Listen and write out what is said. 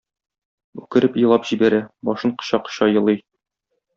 Үкереп елап җибәрә, башын коча-коча елый.